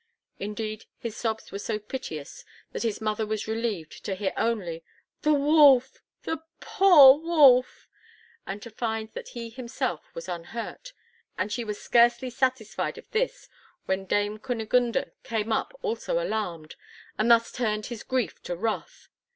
Indeed, his sobs were so piteous that his mother was relieved to hear only, "The wolf! the poor wolf!" and to find that he himself was unhurt; and she was scarcely satisfied of this when Dame Kunigunde came up also alarmed, and thus turned his grief to wrath.